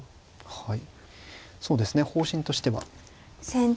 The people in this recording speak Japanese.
はい。